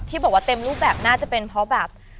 บอกว่าเต็มรูปแบบน่าจะเป็นเพราะแบบ